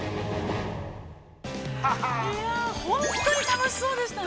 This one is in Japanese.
◆本当に楽しそうでしたね。